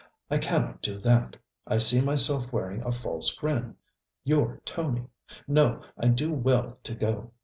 I cannot do that. I see myself wearing a false grin your Tony! No, I do well to go.